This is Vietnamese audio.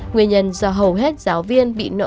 nguyên nhân do hầu hết giáo viên bị nợ